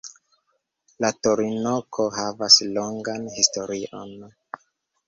La torinoko havas longan historion.